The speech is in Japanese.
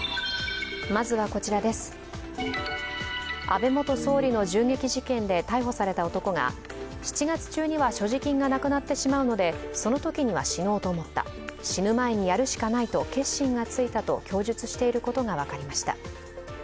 安倍元総理の銃撃事件で逮捕された男が７月中には所持金がなくなってしまうのでそのときには死のうと思った死ぬ前にやるしかないと決心がついたと供述していることが分かりました。